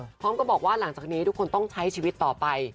พร้อมกับบอกว่าหลังจากนี้ทุกคนต้องใช้ชีวิตต่อไป